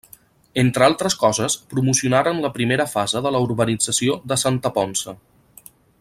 Entre altres coses promocionaren la primera fase de la urbanització de Santa Ponça.